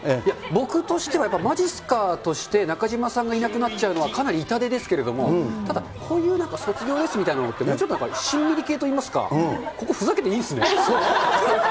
僕としては、まじっすかとして中島さんがいなくなっちゃうのはかなり痛手ですけれども、ただ、こういうなんか卒業ですっていうの、もうちょっとしんみり系といいますか、ここふざけていいんですね。